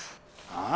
ああ？